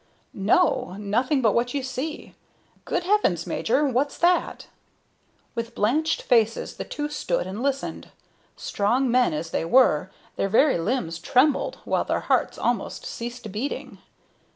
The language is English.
"No. Nothing but what you see. Good heavens, major! What's that?" With blanched faces the two stood and listened. Strong men as they were, their very limbs trembled, while their hearts almost ceased beating.